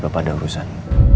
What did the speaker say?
papa ada urusan